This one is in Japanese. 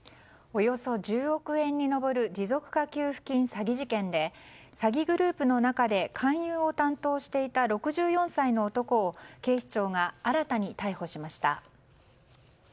およそ１０億円に上る持続化給付金詐欺事件で詐欺グループの中で勧誘を担当していた６４歳の男を警視庁が新たに逮捕しました。